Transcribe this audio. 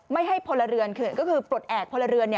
ไม่ให้พลเรือนเขื่อนก็คือปลดแอบพลเรือน